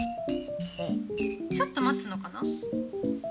ちょっと待つのかな。